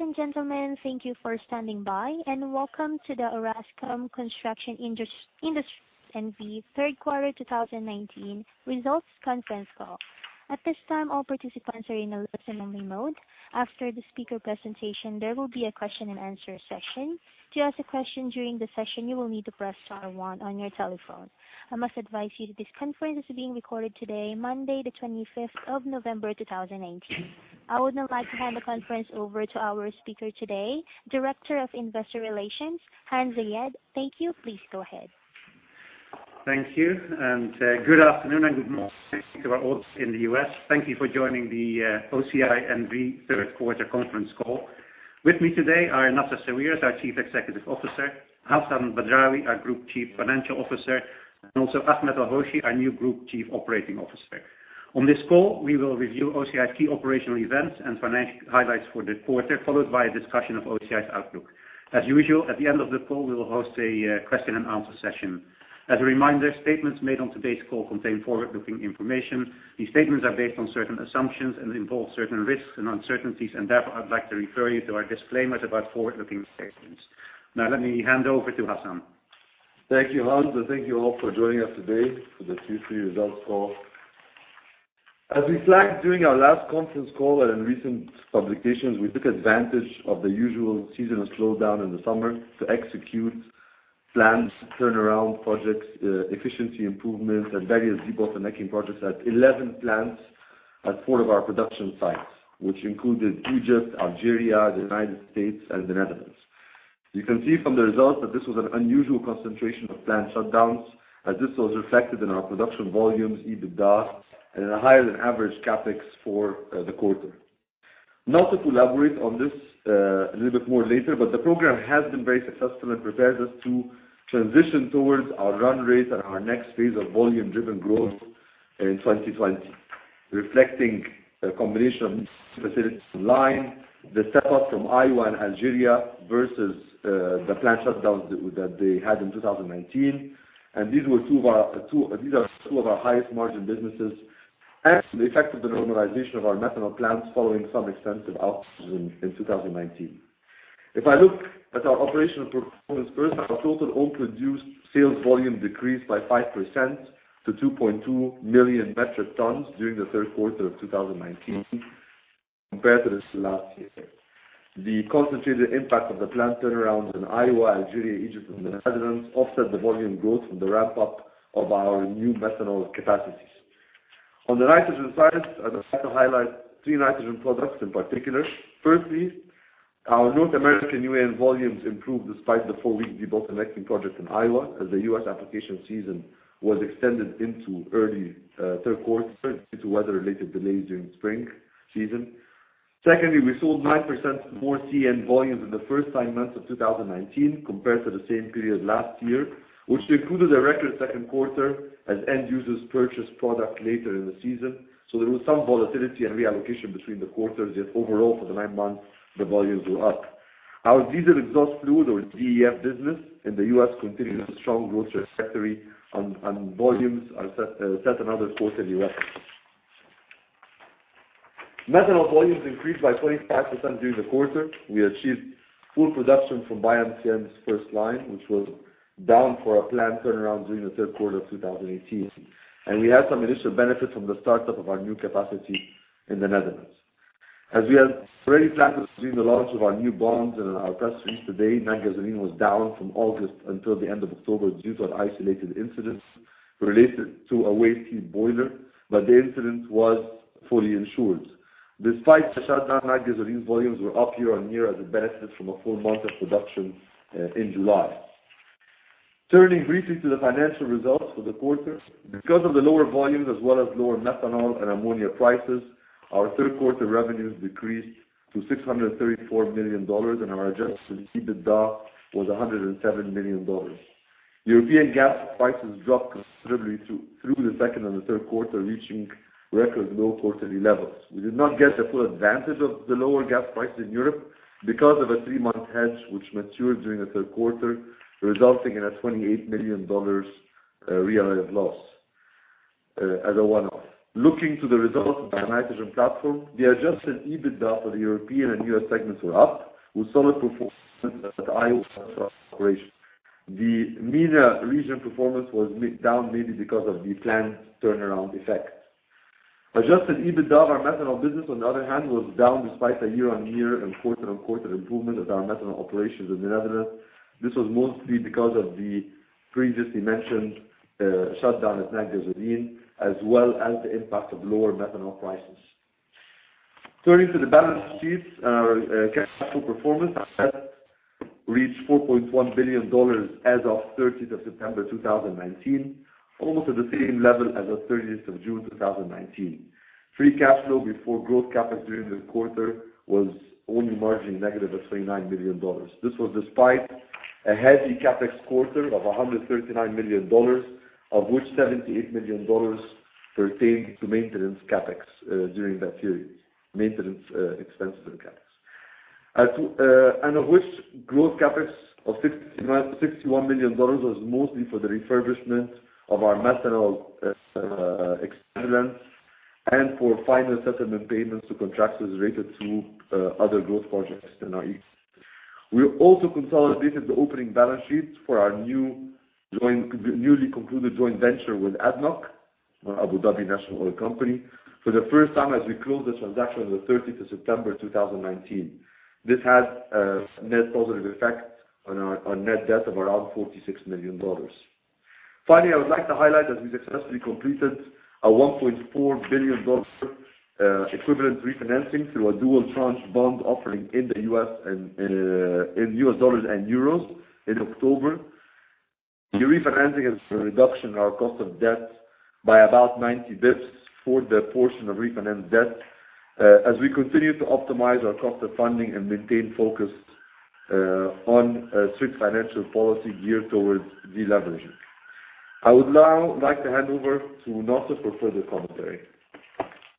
Ladies and gentlemen, thank you for standing by and welcome to the OCI N.V. Construction Industry Third Quarter 2019 Results Conference Call. At this time, all participants are in a listen-only mode. After the speaker presentation, there will be a question and answer session. To ask a question during the session, you will need to press star one on your telephone. I must advise you that this conference is being recorded today, Monday the 25th of November 2019. I would now like to hand the conference over to our speaker today, Director of Investor Relations, Hans Zayed. Thank you. Please go ahead. Thank you. Good afternoon and good morning to our hosts in the U.S. Thank you for joining the OCI N.V. Third Quarter Conference Call. With me today are Nassef Sawiris, our Chief Executive Officer, Hassan Badrawi, our Group Chief Financial Officer, and also Ahmed El-Hoshy, our new Group Chief Operating Officer. On this call, we will review OCI's key operational events and financial highlights for the quarter, followed by a discussion of OCI's outlook. As usual, at the end of the call, we will host a question and answer session. As a reminder, statements made on today's call contain forward-looking information. These statements are based on certain assumptions and involve certain risks and uncertainties. Therefore, I'd like to refer you to our disclaimer about forward-looking statements. Let me hand over to Hassan. Thank you, Hans, and thank you all for joining us today for the Q3 results call. As we flagged during our last conference call and in recent publications, we took advantage of the usual seasonal slowdown in the summer to execute planned turnaround projects, efficiency improvements, and various debottlenecking projects at 11 plants at four of our production sites, which included Egypt, Algeria, the United States, and the Netherlands. You can see from the results that this was an unusual concentration of plant shutdowns, as this was reflected in our production volumes, EBITDA, and in a higher-than-average CapEx for the quarter. Nassef will elaborate on this a little bit more later. The program has been very successful and prepares us to transition towards our run rate and our next phase of volume-driven growth in 2020, reflecting a combination of facilities online, the step up from Iowa and Algeria versus the plant shutdowns that they had in 2019. These are two of our highest margin businesses and the effect of the normalization of our methanol plants following some extensive outages in 2019. If I look at our operational performance first, our total all-produced sales volume decreased by 5% to 2.2 million metric tons during the third quarter of 2019 compared to this last year. The concentrated impact of the plant turnarounds in Iowa, Algeria, Egypt, and the Netherlands offset the volume growth from the ramp-up of our new methanol capacities. On the nitrogen side, I'd also like to highlight three nitrogen products in particular. Firstly, our North American UAN volumes improved despite the four-week debottlenecking project in Iowa as the U.S. application season was extended into early third quarter due to weather-related delays during spring season. Secondly, we sold 9% more CAN volumes in the first nine months of 2019 compared to the same period last year, which included a record second quarter as end users purchased product later in the season. There was some volatility and reallocation between the quarters, yet overall for the nine months, the volumes were up. Our Diesel Exhaust Fluid or DEF business in the U.S. continued a strong growth trajectory and volumes set another quarterly record. methanol volumes increased by 25% during the quarter. We achieved full production from BioMCN's first line, which was down for a plant turnaround during the third quarter of 2018, and we had some initial benefit from the start-up of our new capacity in the Netherlands. As we had already planned during the launch of our new bonds and our press release today, Natgasoline was down from August until the end of October due to an isolated incident related to a waste heat boiler, but the incident was fully insured. Despite the shutdown, Natgasoline volumes were up year-on-year as it benefited from a full month of production in July. Turning briefly to the financial results for the quarter. Because of the lower volumes as well as lower methanol and ammonia prices, our third quarter revenues decreased to $634 million, and our adjusted EBITDA was $107 million. European gas prices dropped considerably through the second and the third quarter, reaching record low quarterly levels. We did not get the full advantage of the lower gas prices in Europe because of a three-month hedge, which matured during the third quarter, resulting in a $28 million realized loss as a one-off. Looking to the results of our nitrogen platform, the adjusted EBITDA for the European and U.S. segments were up, with solid performance at Iowa across operations. The MENA region performance was down mainly because of the planned turnaround effect. Adjusted EBITDA of our methanol business, on the other hand, was down despite a year-on-year and quarter-on-quarter improvement at our methanol operations in the Netherlands. This was mostly because of the previously mentioned shutdown at Natgasoline, as well as the impact of lower methanol prices. Turning to the balance sheet, our cash flow performance reached $4.1 billion as of 30th of September 2019, almost at the same level as of 30th of June 2019. Free cash flow before growth CapEx during the quarter was only marginally negative at $39 million. This was despite a heavy CapEx quarter of $139 million, of which $78 million pertained to maintenance CapEx during that period. Of which growth CapEx of $61 million was mostly for the refurbishment of our methanol expansion and for final settlement payments to contractors related to other growth projects in our units. We also consolidated the opening balance sheets for our newly concluded joint venture with ADNOC, or Abu Dhabi National Oil Company, for the first time as we closed this transaction on the 30th of September 2019. This had a net positive effect on our net debt of around $46 million. Finally, I would like to highlight that we successfully completed a $1.4 billion equivalent refinancing through a dual tranche bond offering in US dollars and euros in October. The refinancing is a reduction in our cost of debt by about 90 bps for the portion of refinance debt, as we continue to optimize our cost of funding and maintain focus on strict financial policy geared towards deleveraging. I would now like to hand over to Nassef for further commentary.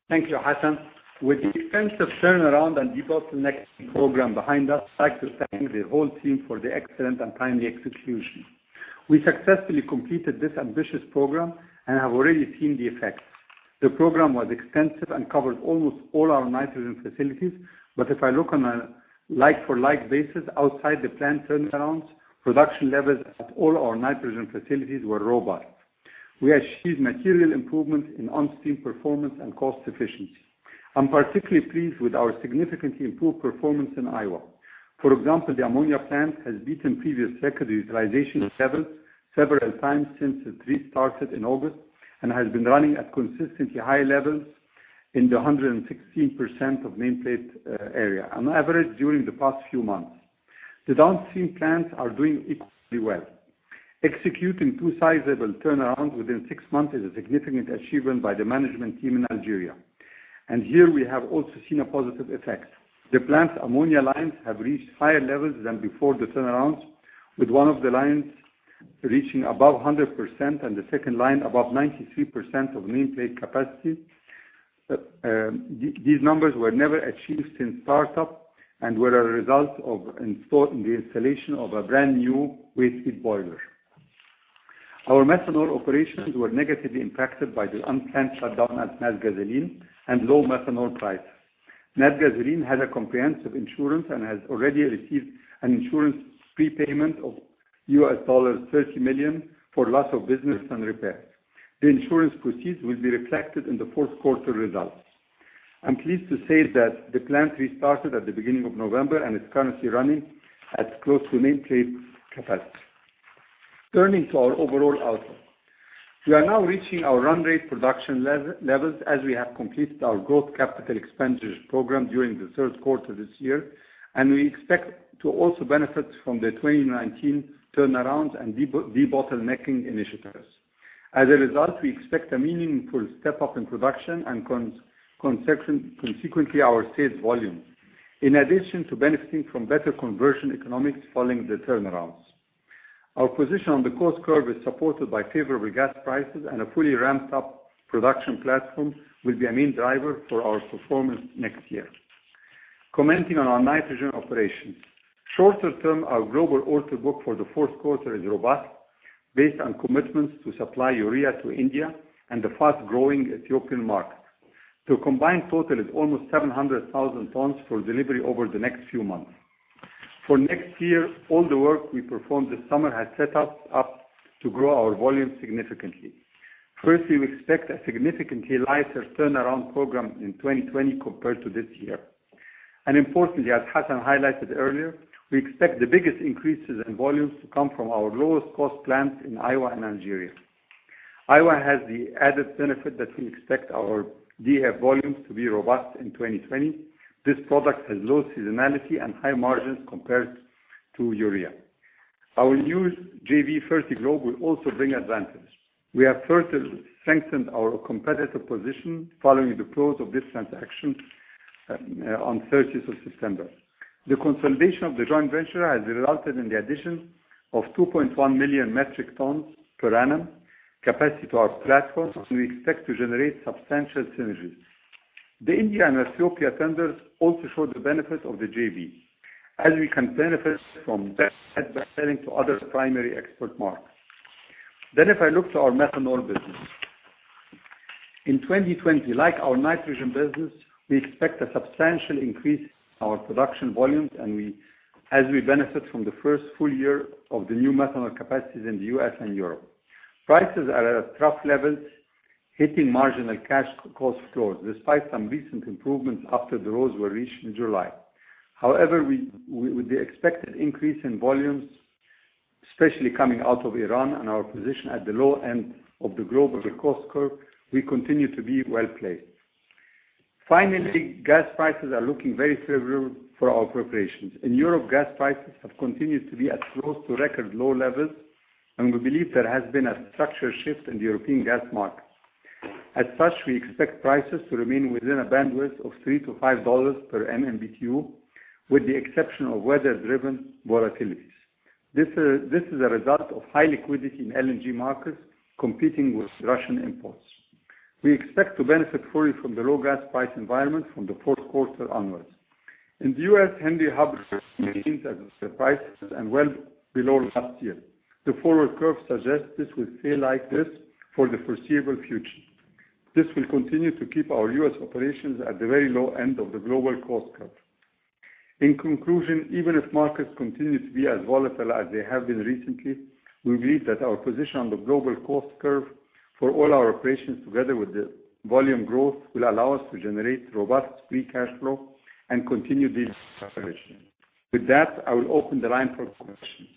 Thank you, Hassan. With the extensive turnaround and debottleneck program behind us, I'd like to thank the whole team for the excellent and timely execution. We successfully completed this ambitious program and have already seen the effects. The program was extensive and covered almost all our nitrogen facilities. If I look on a like-for-like basis outside the plant turnarounds, production levels at all our nitrogen facilities were robust. We achieved material improvements in on-stream performance and cost efficiency. I'm particularly pleased with our significantly improved performance in Iowa. For example, the ammonia plant has beaten previous record utilization levels several times since it restarted in August and has been running at consistently high levels in the 116% of nameplate area on average during the past few months. The downstream plants are doing equally well. Executing two sizable turnarounds within six months is a significant achievement by the management team in Algeria, and here we have also seen a positive effect. The plant's ammonia lines have reached higher levels than before the turnarounds, with one of the lines reaching above 100% and the second line above 93% of nameplate capacity. These numbers were never achieved since start-up and were a result of installing a brand-new waste heat boiler. Our methanol operations were negatively impacted by the unplanned shutdown at Natgasoline and low methanol prices. Natgasoline has a comprehensive insurance and has already received an insurance prepayment of $30 million for loss of business and repairs. The insurance proceeds will be reflected in the fourth quarter results. I'm pleased to say that the plant restarted at the beginning of November and is currently running at close to nameplate capacity. Turning to our overall outlook. We are now reaching our run rate production levels as we have completed our growth capital expenditures program during the third quarter this year, and we expect to also benefit from the 2019 turnarounds and debottlenecking initiatives. As a result, we expect a meaningful step-up in production and consequently, our sales volume. In addition to benefiting from better conversion economics following the turnarounds. Our position on the cost curve is supported by favorable gas prices and a fully ramped-up production platform will be a main driver for our performance next year. Commenting on our nitrogen operations. Shorter term, our global order book for the fourth quarter is robust, based on commitments to supply urea to India and the fast-growing Ethiopian market, to a combined total of almost 700,000 tons for delivery over the next few months. For next year, all the work we performed this summer has set us up to grow our volumes significantly. First, we expect a significantly lighter turnaround program in 2020 compared to this year. Importantly, as Hassan highlighted earlier, we expect the biggest increases in volumes to come from our lowest-cost plants in Iowa and Algeria. Iowa has the added benefit that we expect our DEF volumes to be robust in 2020. This product has low seasonality and high margins compared to urea. Our new JV, Fertiglobe, will also bring advantages. We have further strengthened our competitive position following the close of this transaction on 30th of September. The consolidation of the joint venture has resulted in the addition of 2.1 million metric tons per annum capacity to our platforms, and we expect to generate substantial synergies. The India and Ethiopia tenders also show the benefits of the JV, as we can benefit from selling to other primary export markets. If I look to our methanol business. In 2020, like our nitrogen business, we expect a substantial increase in our production volumes as we benefit from the first full year of the new methanol capacities in the U.S. and Europe. Prices are at trough levels, hitting marginal cash cost floors, despite some recent improvements after the lows were reached in July. With the expected increase in volumes, especially coming out of Iran and our position at the low end of the global cost curve, we continue to be well-placed. Gas prices are looking very favorable for our operations. In Europe, gas prices have continued to be at close to record low levels, and we believe there has been a structural shift in the European gas markets. As such, we expect prices to remain within a bandwidth of $3 to $5 per MMBtu, with the exception of weather-driven volatilities. This is a result of high liquidity in LNG markets competing with Russian imports. We expect to benefit fully from the low gas price environment from the fourth quarter onwards. In the U.S., Henry Hub prices are at multi-year lows and well below last year. The forward curve suggests this will stay like this for the foreseeable future. This will continue to keep our U.S. operations at the very low end of the global cost curve. In conclusion, even if markets continue to be as volatile as they have been recently, we believe that our position on the global cost curve for all our operations, together with the volume growth, will allow us to generate robust free cash flow and continue this operation. With that, I will open the line for questions.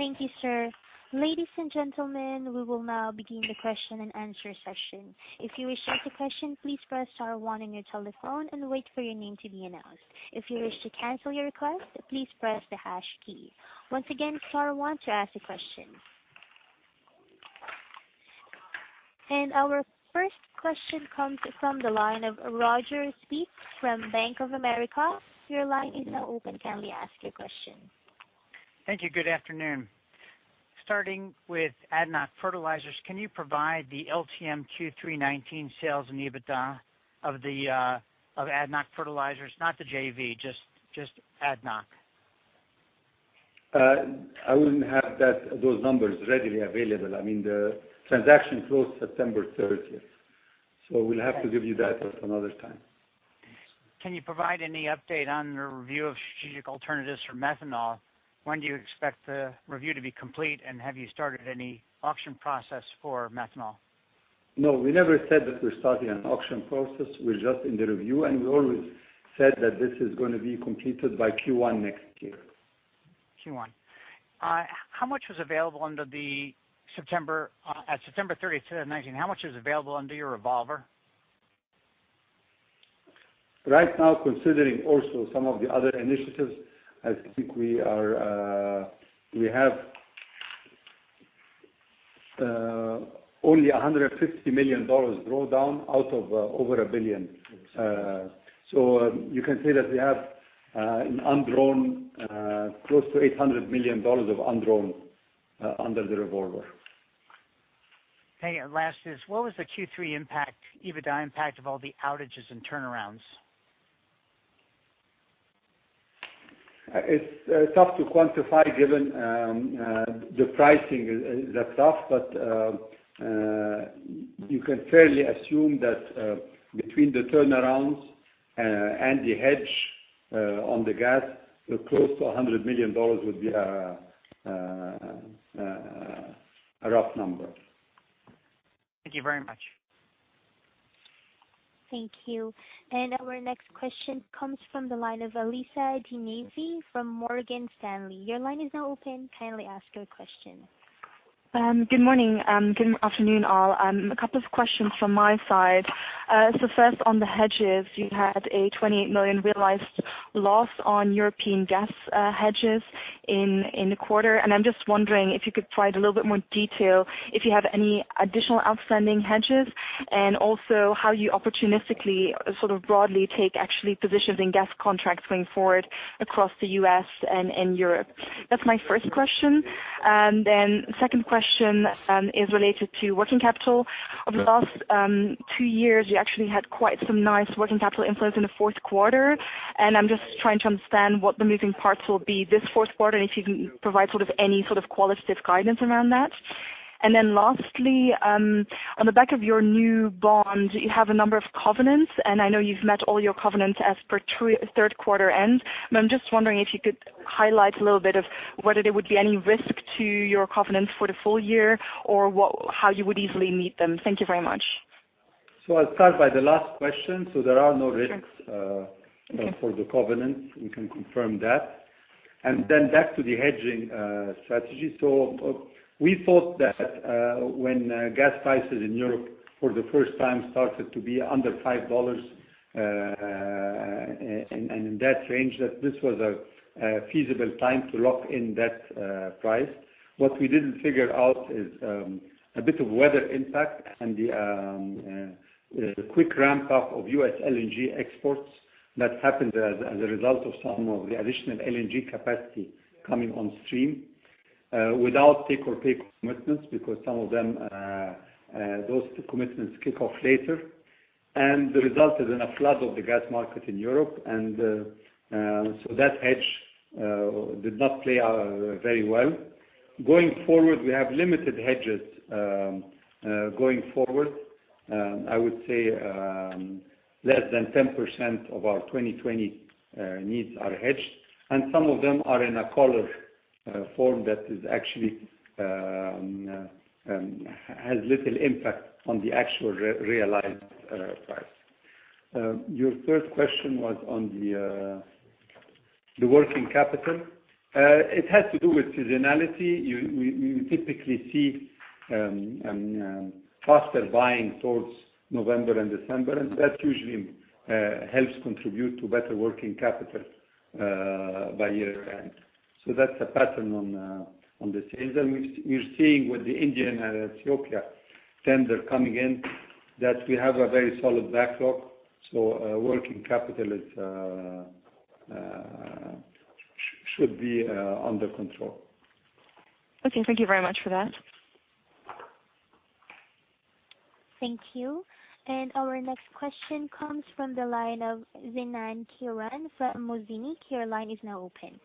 Thank you, sir. Ladies and gentlemen, we will now begin the question and answer session. If you wish to ask a question, please press star one on your telephone and wait for your name to be announced. If you wish to cancel your request, please press the hash key. Once again, star one to ask a question. Our first question comes from the line of Roger Spitz from Bank of America. Your line is now open. Kindly ask your question. Thank you. Good afternoon. Starting with ADNOC Fertilizers, can you provide the LTM Q3 '19 sales and EBITDA of ADNOC Fertilizers? Not the JV, just ADNOC. I wouldn't have those numbers readily available. The transaction closed September 30th. We'll have to give you that at another time. Can you provide any update on the review of strategic alternatives for methanol? When do you expect the review to be complete, and have you started any auction process for methanol? No. We never said that we're starting an auction process. We're just in the review, and we always said that this is going to be completed by Q1 next year. Q1. At September 30th, 2019, how much is available under your revolver? Right now, considering also some of the other initiatives, I think we have only $150 million drawn down out of over a billion. You can say that we have close to $800 million of undrawn under the revolver. Okay. Last is, what was the Q3 EBITDA impact of all the outages and turnarounds? It's tough to quantify given the pricing is tough, but you can fairly assume that between the turnarounds and the hedge on the gas, close to $100 million would be a rough number. Thank you very much. Thank you. Our next question comes from the line of Alisa Di Nisi from Morgan Stanley. Your line is now open. Kindly ask your question. Good morning. Good afternoon, all. A couple of questions from my side. First on the hedges, you had a $28 million realized loss on European gas hedges in the quarter, I'm just wondering if you could provide a little bit more detail, if you have any additional outstanding hedges. Also how you opportunistically sort of broadly take actually positions in gas contracts going forward across the U.S. and in Europe. That's my first question. Second question is related to working capital. Yes. Over the last two years, you actually had quite some nice working capital inflows in the fourth quarter. I'm just trying to understand what the moving parts will be this fourth quarter, and if you can provide any sort of qualitative guidance around that. Lastly, on the back of your new bond, you have a number of covenants, and I know you've met all your covenants as per third quarter end, but I'm just wondering if you could highlight a little bit of whether there would be any risk to your covenants for the full year, or how you would easily meet them. Thank you very much. I'll start by the last question. There are no risks. Sure for the covenants. We can confirm that. Back to the hedging strategy. We thought that when gas prices in Europe for the first time started to be under EUR 5 and in that range, that this was a feasible time to lock in that price. What we didn't figure out is a bit of weather impact and the quick ramp-up of U.S. LNG exports that happened as a result of some of the additional LNG capacity coming on stream without take or pay commitments, because some of those commitments kick off later, and it resulted in a flood of the gas market in Europe. That hedge did not play out very well. Going forward, we have limited hedges going forward. I would say less than 10% of our 2020 needs are hedged, and some of them are in a collar form that actually has little impact on the actual realized price. Your third question was on the working capital. It has to do with seasonality. We typically see faster buying towards November and December, and that usually helps contribute to better working capital by year-end. That's a pattern on the sales. We're seeing with the India and Ethiopia tender coming in, that we have a very solid backlog. Working capital should be under control. Okay. Thank you very much for that. Thank you. Our next question comes from the line of Zenan Kiran from Mozini. Your line is now open.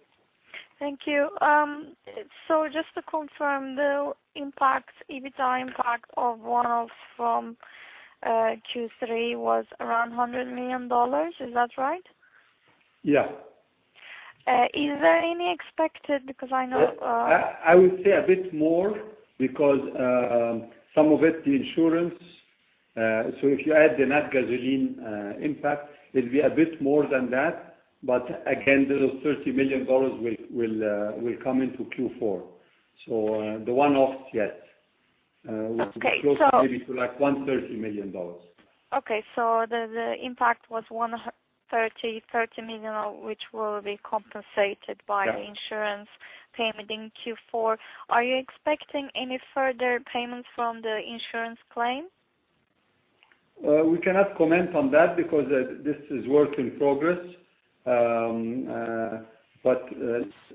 Thank you. Just to confirm, the EBITDA impact of one-off from Q3 was around $100 million. Is that right? Yeah. Is there any expected? I would say a bit more because some of it, the insurance. If you add the Natgasoline impact, it'll be a bit more than that. Again, those $30 million will come into Q4. The one-off yet. Okay. Closer maybe to like $130 million. Okay. The impact was $130 million, which will be compensated by. Yeah the insurance payment in Q4. Are you expecting any further payments from the insurance claim? We cannot comment on that because this is work in progress.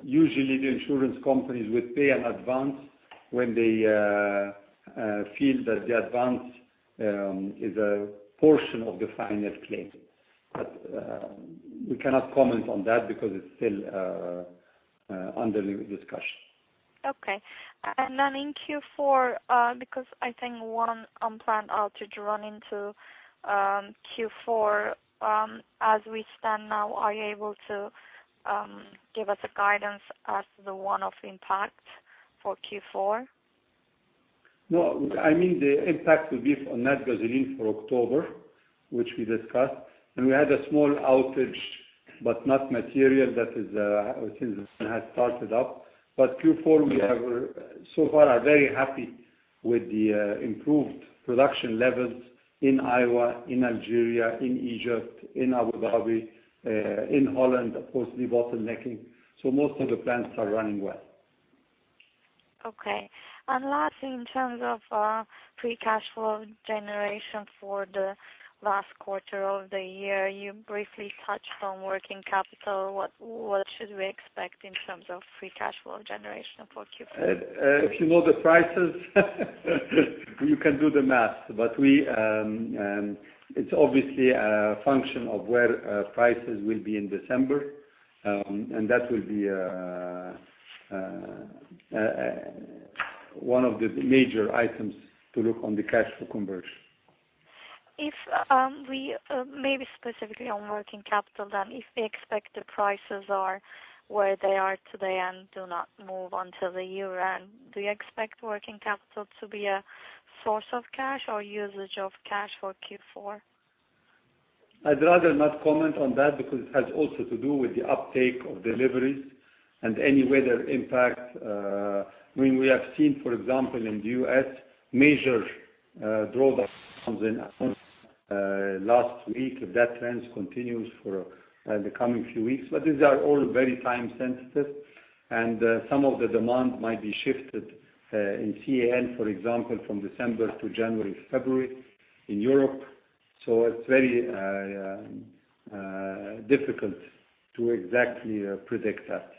Usually the insurance companies would pay an advance when they feel that the advance is a portion of the final claim. We cannot comment on that because it's still under discussion. Okay. In Q4, because I think one unplanned outage run into Q4. As we stand now, are you able to give us a guidance as to the one-off impact for Q4? The impact will be on Natgasoline for October, which we discussed, and we had a small outage, but not material. That has since had started up. Q4, we so far are very happy with the improved production levels in Iowa, in Algeria, in Egypt, in Abu Dhabi, in Holland, of course, debottlenecking. Most of the plants are running well. Okay. Lastly, in terms of free cash flow generation for the last quarter of the year, you briefly touched on working capital. What should we expect in terms of free cash flow generation for Q4? If you know the prices you can do the math. It's obviously a function of where prices will be in December. That will be one of the major items to look on the cash flow conversion. Maybe specifically on working capital then, if we expect the prices are where they are today and do not move until the year end, do you expect working capital to be a source of cash or usage of cash for Q4? I'd rather not comment on that because it has also to do with the uptake of deliveries and any weather impact. We have seen, for example, in the U.S., major drawdowns in last week. If that trend continues for the coming few weeks. These are all very time sensitive, and some of the demand might be shifted, in CAN, for example, from December to January, February in Europe. It's very difficult to exactly predict that.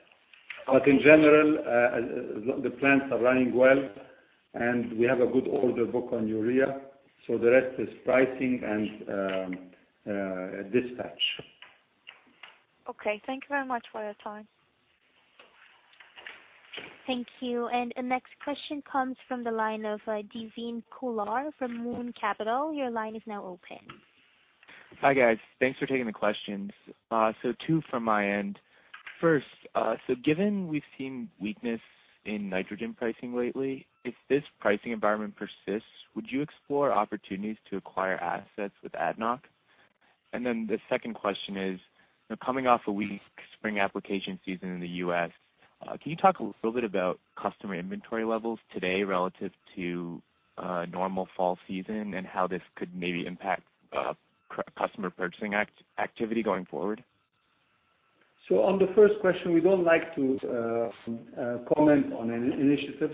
In general, the plants are running well and we have a good order book on urea, so the rest is pricing and dispatch. Okay. Thank you very much for your time. Thank you. The next question comes from the line of Devine Kular from Moon Capital. Your line is now open. Hi, guys. Thanks for taking the questions. Two from my end. First, given we've seen weakness in nitrogen pricing lately, if this pricing environment persists, would you explore opportunities to acquire assets with ADNOC? The second question is: coming off a weak spring application season in the U.S., can you talk a little bit about customer inventory levels today relative to a normal fall season, and how this could maybe impact customer purchasing activity going forward? On the first question, we don't like to comment on initiatives.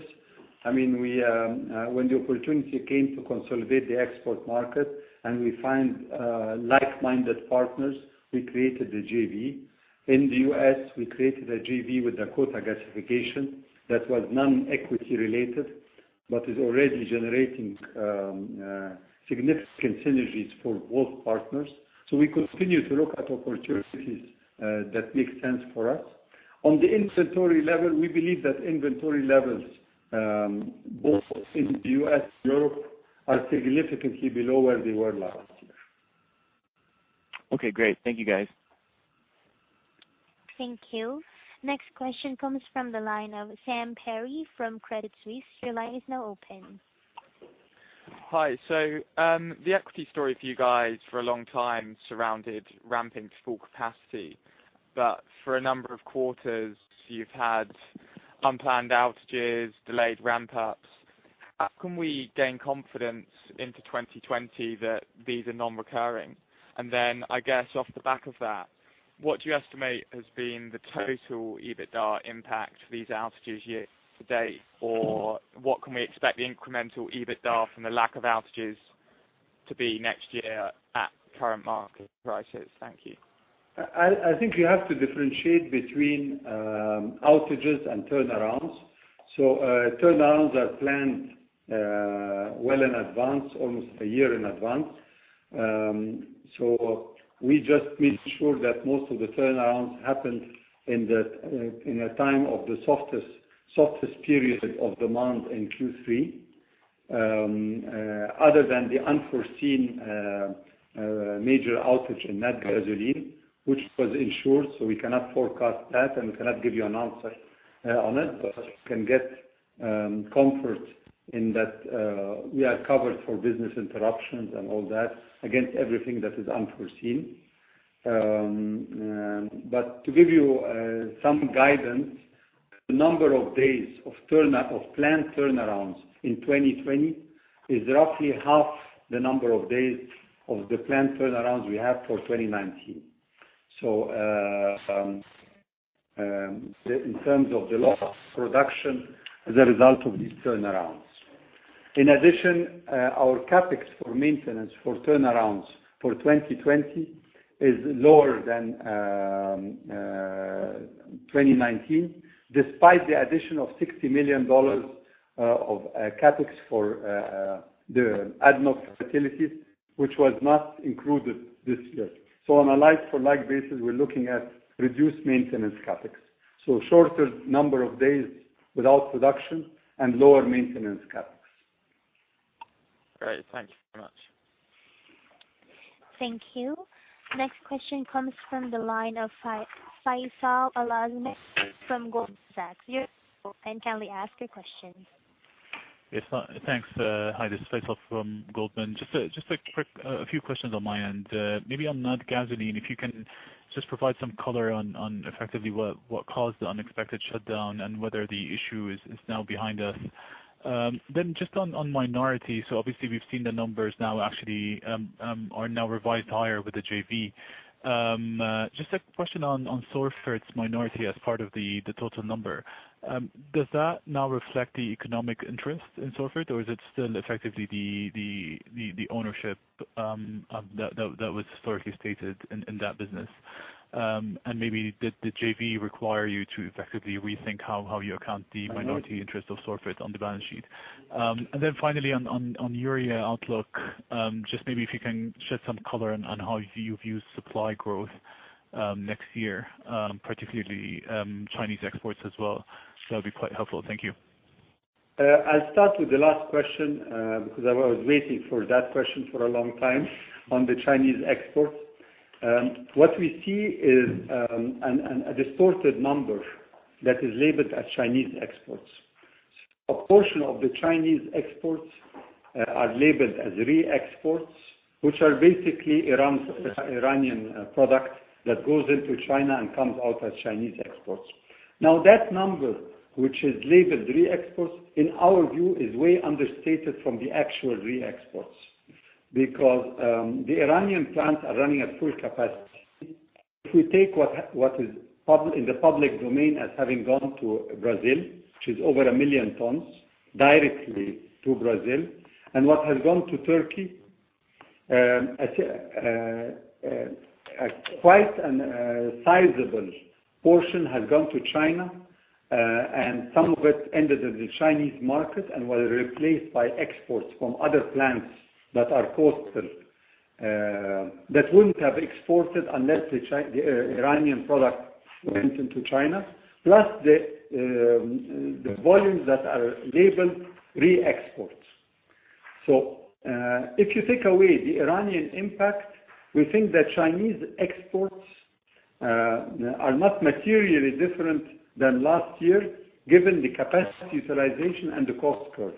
When the opportunity came to consolidate the export market and we find like-minded partners, we created a JV. In the U.S., we created a JV with Dakota Gasification that was non-equity related but is already generating significant synergies for both partners. We continue to look at opportunities that make sense for us. On the inventory level, we believe that inventory levels, both in the U.S. and Europe, are significantly below where they were last year. Okay, great. Thank you, guys. Thank you. Next question comes from the line of Sam Perry from Credit Suisse. Your line is now open. Hi. The equity story for you guys for a long time surrounded ramping to full capacity. For a number of quarters, you've had unplanned outages, delayed ramp-ups. How can we gain confidence into 2020 that these are non-recurring? I guess off the back of that, what do you estimate has been the total EBITDA impact for these outages year to date? Or what can we expect the incremental EBITDA from the lack of outages to be next year at current market prices? Thank you. I think you have to differentiate between outages and turnarounds. Turnarounds are planned well in advance, almost a year in advance. We just made sure that most of the turnarounds happened in a time of the softest period of demand in Q3. Other than the unforeseen major outage in Natgasoline, which was insured, we cannot forecast that, we cannot give you an answer on it. You can get comfort in that we are covered for business interruptions and all that, against everything that is unforeseen. To give you some guidance, the number of days of planned turnarounds in 2020 is roughly half the number of days of the planned turnarounds we have for 2019 in terms of the loss of production as a result of these turnarounds. In addition, our CapEx for maintenance for turnarounds for 2020 is lower than 2019, despite the addition of $60 million of CapEx for the ADNOC facilities, which was not included this year. On a like for like basis, we're looking at reduced maintenance CapEx. Shorter number of days without production and lower maintenance CapEx. Great. Thank you so much. Thank you. Next question comes from the line of Faisal Al-Azmeh from Goldman Sachs. You are through and kindly ask your question. Yes, thanks. Hi, this is Faisal from Goldman Sachs. A few questions on my end. On Natgasoline, if you can provide some color on effectively what caused the unexpected shutdown and whether the issue is now behind us. On minority, obviously we've seen the numbers now are revised higher with the JV. A question on Sorfert's minority as part of the total number. Does that now reflect the economic interest in Sorfert or is it still effectively the ownership that was historically stated in that business? Maybe did the JV require you to effectively rethink how you account the minority interest of Sorfert on the balance sheet? Finally on urea outlook, maybe if you can shed some color on how you view supply growth next year, particularly Chinese exports as well. That'd be quite helpful. Thank you. I'll start with the last question, because I was waiting for that question for a long time on the Chinese exports. What we see is a distorted number that is labeled as Chinese exports. A portion of the Chinese exports are labeled as re-exports, which are basically Iranian product that goes into China and comes out as Chinese exports. That number, which is labeled re-exports, in our view, is way understated from the actual re-exports because the Iranian plants are running at full capacity. If we take what is in the public domain as having gone to Brazil, which is over 1 million tons directly to Brazil, and what has gone to Turkey, quite a sizable portion has gone to China, and some of it ended in the Chinese market and was replaced by exports from other plants that are coastal, that wouldn't have exported unless the Iranian product went into China, plus the volumes that are labeled re-exports. If you take away the Iranian impact, we think that Chinese exports are not materially different than last year, given the capacity utilization and the cost curve.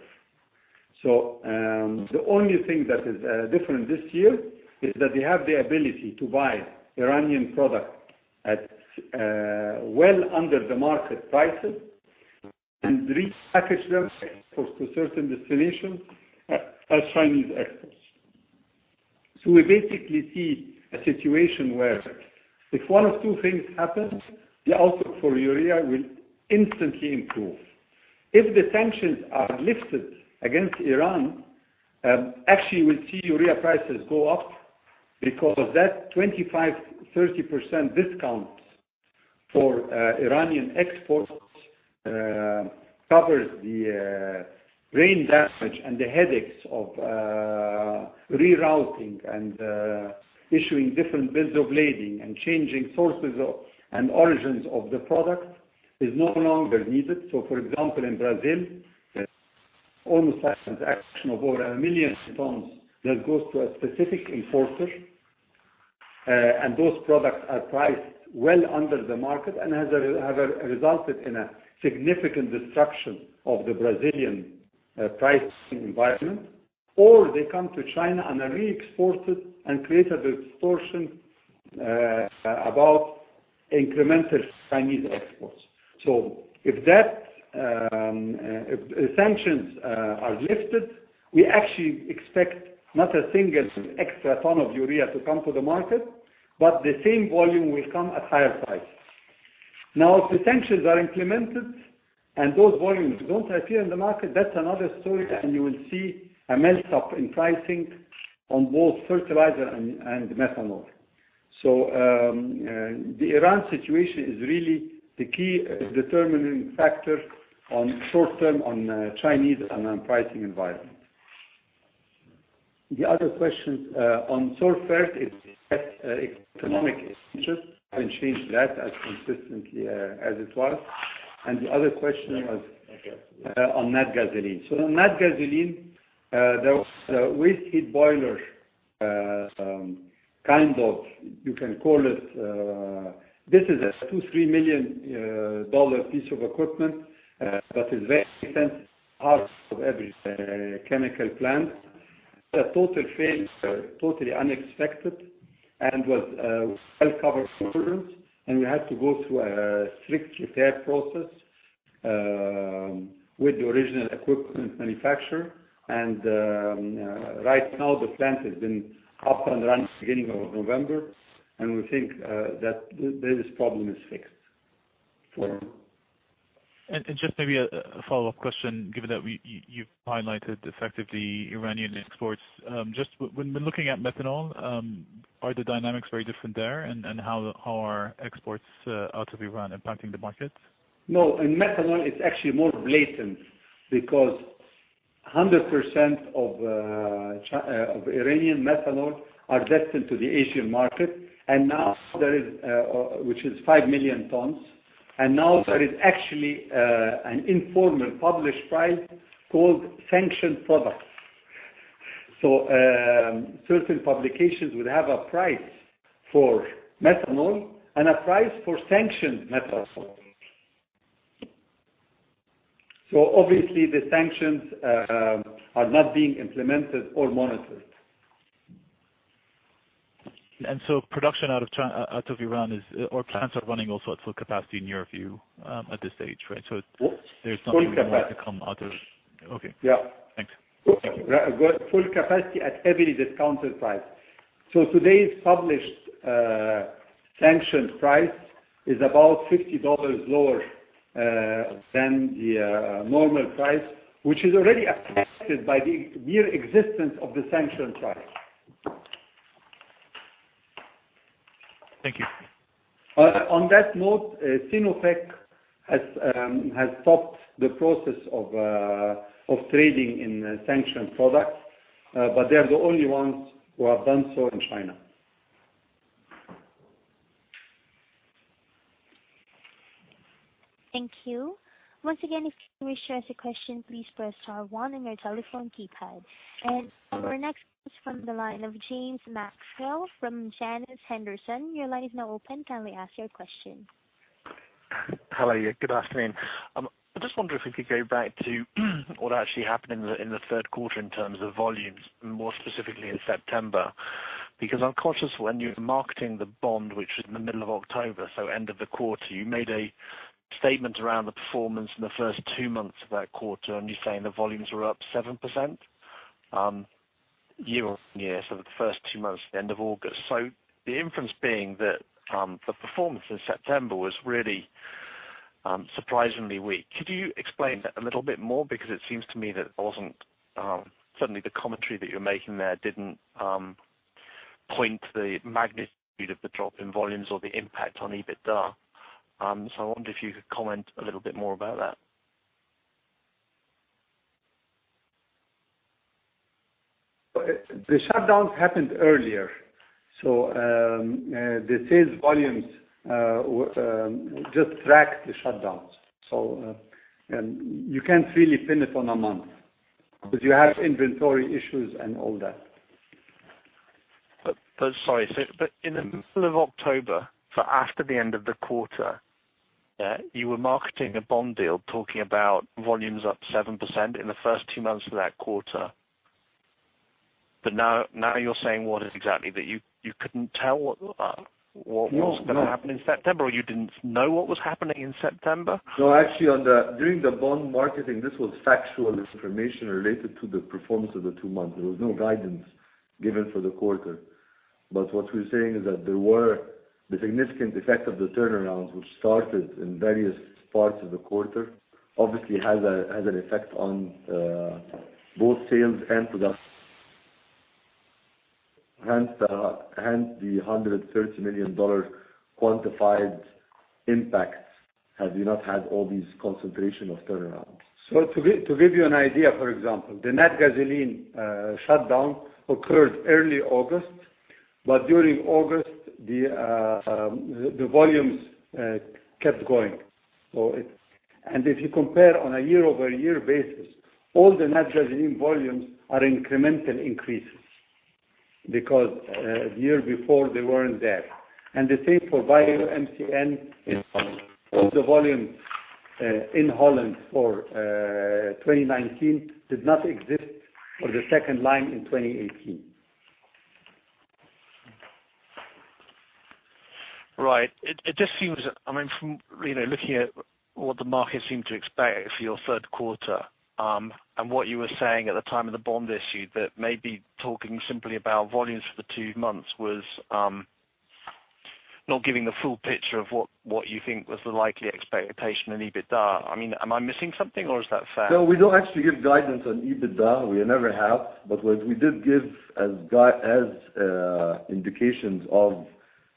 The only thing that is different this year is that they have the ability to buy Iranian product at well under the market prices and repackage them to certain destinations as Chinese exports. We basically see a situation where if one of two things happens, the outlook for urea will instantly improve. If the sanctions are lifted against Iran, actually we'll see urea prices go up because that 25%, 30% discount for Iranian exports covers the rain damage and the headaches of rerouting and issuing different bills of lading and changing sources and origins of the product is no longer needed. For example, in Brazil, almost 1 million tons that goes to a specific end-user, and those products are priced well under the market and have resulted in a significant disruption of the Brazilian pricing environment, or they come to China and are re-exported and create a distortion about incremental Chinese exports. If sanctions are lifted, we actually expect not a single extra ton of urea to come to the market, but the same volume will come at higher price. If the sanctions are implemented and those volumes don't appear in the market, that's another story, and you will see a melt up in pricing on both fertilizer and methanol. The Iran situation is really the key determining factor on short term on Chinese and on pricing environment. The other question on Sorfert is that economic interest and change that as consistently as it was. The other question was- Okay On Natgasoline. On Natgasoline, there was a waste heat boiler, kind of, you can call it. This is a two, three million USD piece of equipment that is very intense, heart of every chemical plant. A total fail, totally unexpected. Was well covered for insurance. We had to go through a strict repair process with the original equipment manufacturer. Right now the plant has been up and running beginning of November, and we think that this problem is fixed. Just maybe a follow-up question, given that you've highlighted effectively Iranian exports. Just when we're looking at methanol, are the dynamics very different there? How are exports out of Iran impacting the market? No, in methanol, it is actually more blatant because 100% of Iranian methanol are destined to the Asian market, which is 5 million tons. Now there is actually an informal published price called sanctioned products. Certain publications would have a price for methanol and a price for sanctioned methanol. Obviously the sanctions are not being implemented or monitored. Production out of Iran is, or plants are running also at full capacity in your view, at this stage, right? Full capacity. to come out of Okay. Yeah. Thanks. Full capacity at heavily discounted price. Today's published sanctioned price is about $50 lower than the normal price, which is already affected by the mere existence of the sanctioned price. Thank you. On that note, Sinopec has stopped the process of trading in sanctioned products. They are the only ones who have done so in China. Thank you. Once again, if you wish to ask a question, please press star one on your telephone keypad. Our next is from the line of James Maxwell from Janus Henderson. Your line is now open. Kindly ask your question. How are you? Good afternoon. I'm just wondering if we could go back to what actually happened in the third quarter in terms of volumes, more specifically in September. I'm conscious when you were marketing the bond, which was in the middle of October, so end of the quarter, you made a statement around the performance in the first two months of that quarter, and you're saying the volumes were up 7% year-over-year, so the first two months, the end of August. The inference being that the performance in September was really surprisingly weak. Could you explain that a little bit more? It seems to me that it wasn't, certainly the commentary that you're making there didn't point to the magnitude of the drop in volumes or the impact on EBITDA. I wonder if you could comment a little bit more about that. The shutdown happened earlier, the sales volumes just tracked the shutdowns. You can't really pin it on a month because you have inventory issues and all that. Sorry, in the middle of October, after the end of the quarter, you were marketing a bond deal talking about volumes up 7% in the first two months of that quarter. Now you're saying what exactly? That you couldn't tell what was going to happen in September, or you didn't know what was happening in September? Actually during the bond marketing, this was factual information related to the performance of the two months. There was no guidance given for the quarter. What we're saying is that there were the significant effect of the turnarounds which started in various parts of the quarter, obviously has an effect on both sales and production. Hence the $130 million quantified impact, had we not had all these concentration of turnarounds. To give you an idea, for example, the Natgasoline shutdown occurred early August, during August, the volumes kept going. If you compare on a year-over-year basis, all the Natgasoline volumes are incremental increases because the year before they weren't there. The same for BioMCN in Holland. The volumes in Holland for 2019 did not exist for the second line in 2018. Right. It just seems, from looking at what the market seemed to expect for your third quarter, and what you were saying at the time of the bond issue, that maybe talking simply about volumes for the two months was not giving the full picture of what you think was the likely expectation in EBITDA. Am I missing something, or is that fair? No, we don't actually give guidance on EBITDA. We never have. What we did give as indications of,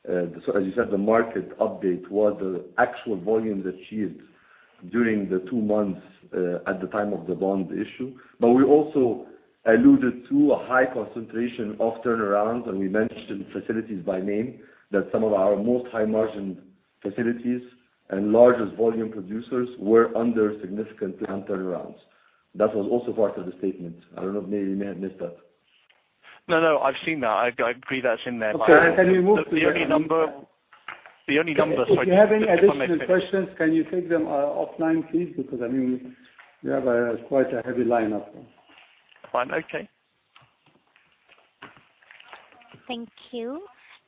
as you said, the market update, was the actual volume achieved during the two months at the time of the bond issue. We also alluded to a high concentration of turnarounds, and we mentioned facilities by name, that some of our most high-margin facilities and largest volume producers were under significant planned turnarounds. That was also part of the statement. I don't know, maybe you may have missed that. No, I've seen that. I agree that's in there. Okay. Can we move to the next? The only number, sorry, just to confirm my figures. If you have any additional questions, can you take them offline, please? We have quite a heavy lineup. Fine. Okay. Thank you.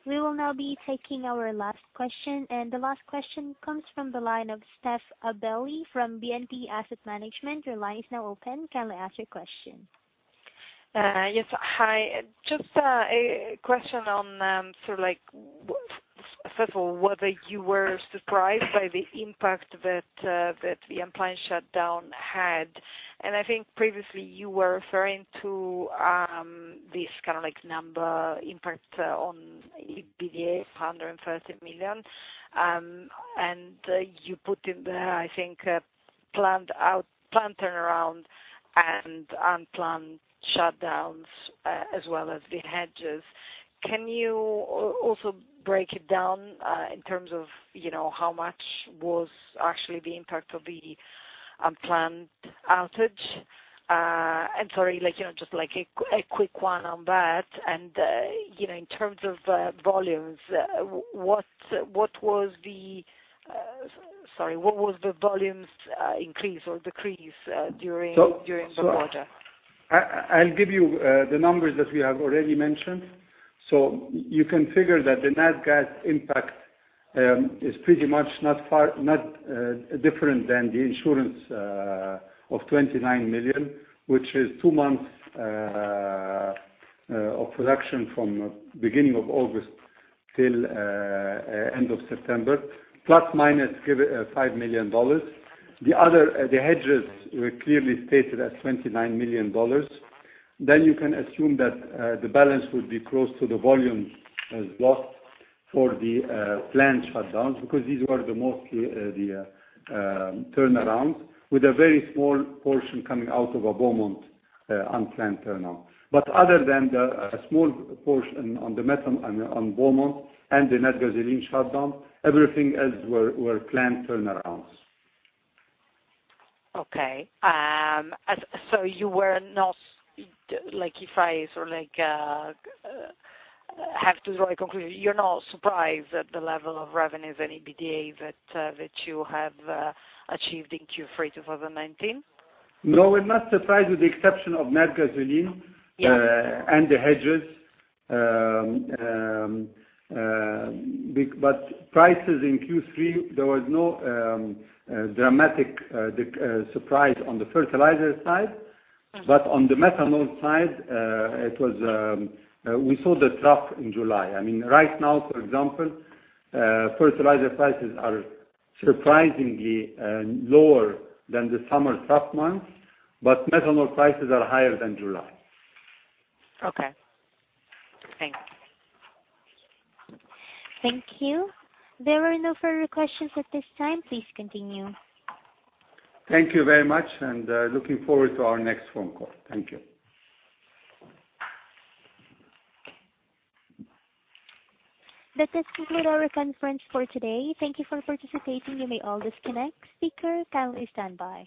We will now be taking our last question. The last question comes from the line of Stef Abelli from BNP Asset Management. Your line is now open. Kindly ask your question. Yes. Hi. Just a question on, first of all, whether you were surprised by the impact that the unplanned shutdown had. I think previously you were referring to this number impact on EBITDA of $130 million. You put in there, I think, planned turnaround and unplanned shutdowns, as well as the hedges. Can you also break it down in terms of how much was actually the impact of the unplanned outage? Sorry, just a quick one on that. In terms of volumes, what was the volumes increase or decrease during the quarter? I'll give you the numbers that we have already mentioned. You can figure that the Natgas impact is pretty much not different than the insurance of $29 million, which is two months of production from beginning of August till end of September, plus minus $5 million. The hedges were clearly stated as $29 million. You can assume that the balance would be close to the volumes lost for the planned shutdowns, because these were mostly the turnarounds, with a very small portion coming out of our Beaumont unplanned turnaround. Other than the small portion on the methanol on Beaumont and the Natgasoline shutdown, everything else were planned turnarounds. Okay. you were not, if I have to draw a conclusion, you're not surprised at the level of revenues and EBITDA that you have achieved in Q3 2019? No, we're not surprised with the exception of Natgasoline. Yeah The hedges. Prices in Q3, there was no dramatic surprise on the fertilizer side. On the methanol side, we saw the trough in July. Right now, for example, fertilizer prices are surprisingly lower than the summer tough months, but methanol prices are higher than July. Okay. Thank you. Thank you. There are no further questions at this time. Please continue. Thank you very much, and looking forward to our next phone call. Thank you. That does conclude our conference for today. Thank You for participating. You may all disconnect. Speaker, kindly stand by.